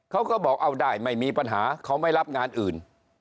เขาก็บอกเอาได้ไม่มีปัญหาเขาไม่รับงานอื่น